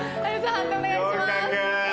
判定お願いします。